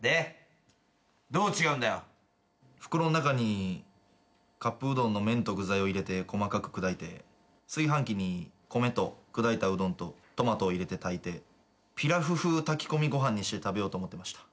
袋の中にカップうどんの麺と具材を入れて細かく砕いて炊飯器に米と砕いたうどんとトマトを入れて炊いてピラフ風炊き込みご飯にして食べようと思ってました。